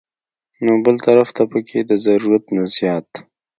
نو بل طرف ته پکښې د ضرورت نه زيات